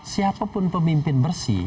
siapapun pemimpin bersih